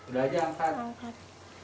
udah aja angkat